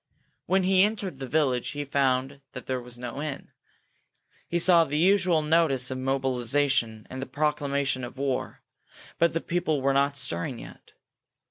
When he entered the village he found that there was no inn. He saw the usual notice of mobilization and the proclamation of war, but the people were not stirring yet.